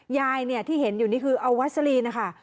ยายที่เห็นอยู่นี่คือเอาวัสลีนนะคะ